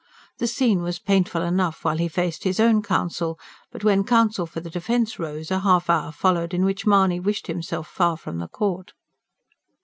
The scene was painful enough while he faced his own counsel, but, when counsel for the defence rose, a half hour followed in which Mahony wished himself far from the court.